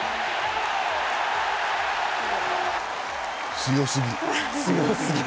強すぎ。